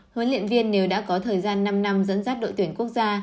huấn luyện viên nếu đã có thời gian năm năm dẫn dắt đội tuyển quốc gia